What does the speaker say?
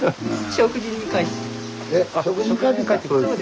食事に帰ってきた？